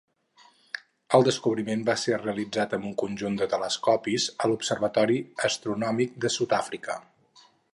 El descobriment va ser realitzat amb un conjunt de telescopis a l'Observatori Astronòmic de Sud-àfrica.